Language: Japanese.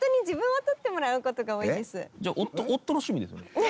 じゃあ夫の趣味ですよね？